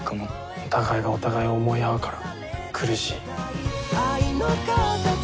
お互いがお互いを思い合うから苦しい。